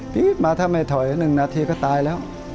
มาถ้าไม่ถอย๑นาทีก็ตายแล้ว